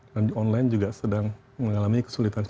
dan online juga sedang mengalami kesulitan jadi